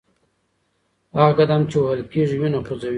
هغه قدم چې وهل کېږي وینه خوځوي.